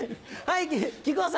はい。